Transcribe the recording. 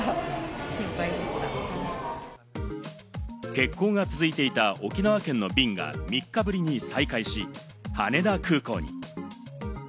欠航が続いていた沖縄県の便が３日ぶりに再開し、羽田空港に。